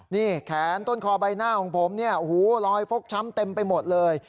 นี่แขนต้นคอใบหน้าของผมหูรอยฟกช้ำเต็มไปหมดเลย